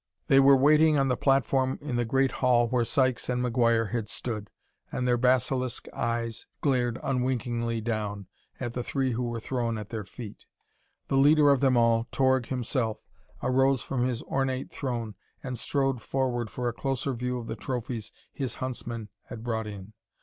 They were waiting on the platform in the great hall where Sykes and McGuire had stood, and their basilisk eyes glared unwinkingly down at the three who were thrown at their feet. The leader of them all, Torg himself, arose from his ornate throne and strode forward for a closer view of the trophies his huntsmen had brought in.